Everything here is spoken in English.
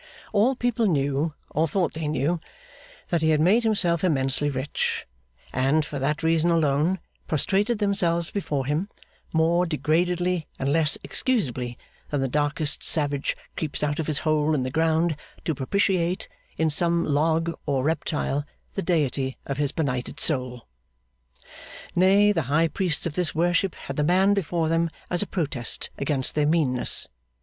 All people knew (or thought they knew) that he had made himself immensely rich; and, for that reason alone, prostrated themselves before him, more degradedly and less excusably than the darkest savage creeps out of his hole in the ground to propitiate, in some log or reptile, the Deity of his benighted soul. Nay, the high priests of this worship had the man before them as a protest against their meanness.